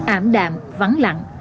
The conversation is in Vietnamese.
ảm đạm vắng lặng